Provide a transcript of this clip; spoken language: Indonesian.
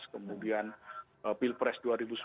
kemudian pilpres dua ribu sembilan belas